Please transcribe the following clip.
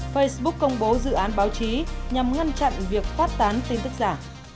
facebook công bố dự án báo chí nhằm ngăn chặn việc phát tán tin tức giả